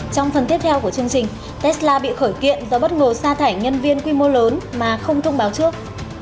trong phần tiếp theo của chương trình tesla bị khởi kiện do bất ngờ xa thải nhân viên quy mô lớn mà không thông báo trước